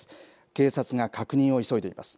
警察が確認を急いでいます。